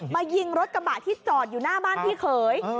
มายิงรถกระบะที่จอดอยู่หน้าบ้านพี่เขย